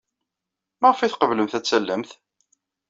Maɣef ay tqeblemt ad tallemt?